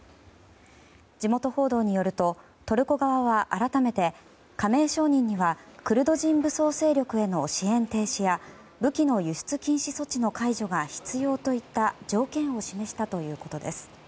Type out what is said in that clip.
地元報道によると、トルコ側は改めて、加盟承認にはクルド人武装勢力への支援停止や武器の輸出禁止措置の解除が必要といった条件を示したということです。